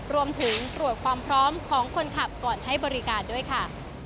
รวมถึงตรวจความพร้อมของคนขับก่อนให้บริการด้วยค่ะ